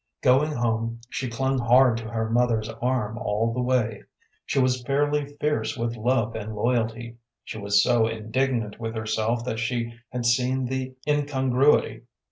Going home she clung hard to her mother's arm all the way. She was fairly fierce with love and loyalty. She was so indignant with herself that she had seen the incongruity.